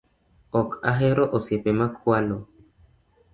Ok ahero osiepe ma kwalo